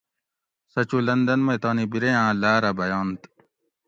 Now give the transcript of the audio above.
سہۤ چو لندن مئ تانی بِرے آۤں لاۤرہ بینت